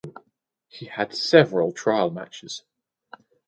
He had several trial matches.